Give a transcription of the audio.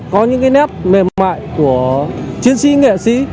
có những cái nét mềm mại của chiến sĩ nghệ sĩ